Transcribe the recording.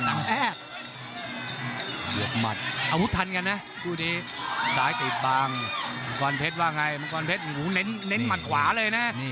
หัวหมัดเอาทุกทันกันนะมังกรเพชรเน้นหมันขวาเลยนะ